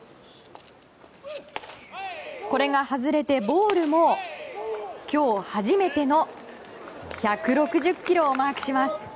これが外れてボールも今日初めての１６０キロをマークします。